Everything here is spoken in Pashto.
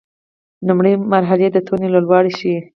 لومړۍ مرحلې د تنوع لوړوالی ښيي.